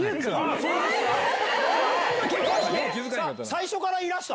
最初からいらした？